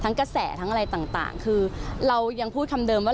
กระแสทั้งอะไรต่างคือเรายังพูดคำเดิมว่า